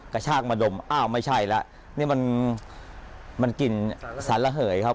กระชากมาดมอ้าวไม่ใช่แล้วนี่มันกลิ่นสารระเหยครับ